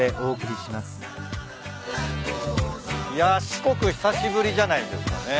四国久しぶりじゃないですかね。